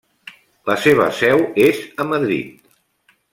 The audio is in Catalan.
La seva seu és a Madrid.